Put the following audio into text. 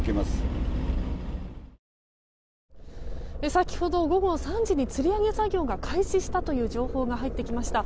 先ほど午後３時につり上げ作業が開始したという情報が入ってきました。